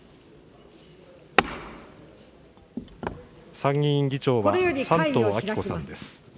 参議院議長は山東昭子さんです。